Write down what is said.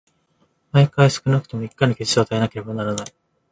毎週少くとも一回の休日を与えなければならない。